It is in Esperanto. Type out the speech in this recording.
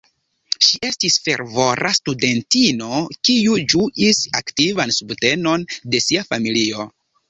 Ŝi estis fervora studentino kiu ĝuis aktivan subtenon de sia familio.